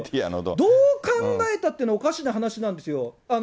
どう考えたっておかしな話なんですよ。